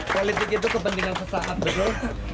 politik itu kepentingan sesaat betul